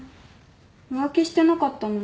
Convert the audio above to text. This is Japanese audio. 浮気してなかったの？